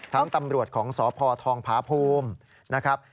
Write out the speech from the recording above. ทั้งตำรวจของศพทองภาพภูมิ